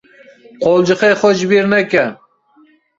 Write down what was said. Qucixê xwe ji bîr neke.